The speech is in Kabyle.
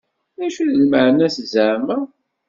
D acu d lmeɛna-s zeɛma?